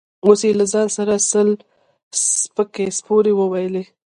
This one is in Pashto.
اوس يې له ځان سره سل سپکې سپورې وويلې.